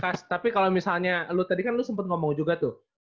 kas tapi kalau misalnya lo tadi kan sempat ngomong juga tuh